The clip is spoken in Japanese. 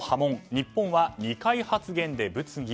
日本は二階発言で物議。